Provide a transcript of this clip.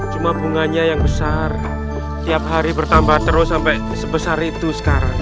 cuma bunganya yang besar tiap hari bertambah terus sampai sebesar itu sekarang